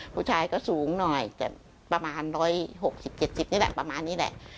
ผู้ชายก็สูงหน่อยประมาณร้อยหกสิบเจ็ดสิบนี่แหละประมาณนี้แหละ